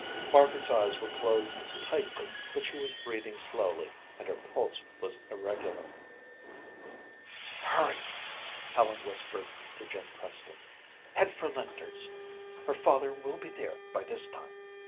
Margaret's eyes were closed tightly but she was breathing slowly and her pulse was irregular. "Hurry," Helen whispered to Jim Preston. "Head for Linder's. Her father will be there by this time."